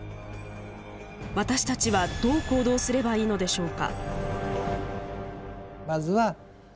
私たちはどう行動すればいいのでしょうか？